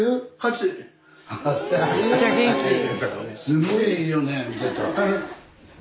すごいいいよね見てたら。